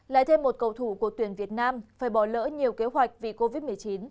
lại thêm một cầu thủ của tuyển việt nam phải bỏ lỡ nhiều kế hoạch vì covid một mươi chín